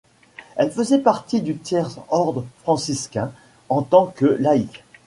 Elle faisait partie du Tiers-Ordre Franciscain, en tant que laïque.